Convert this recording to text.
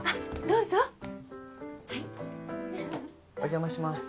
どうぞはいお邪魔します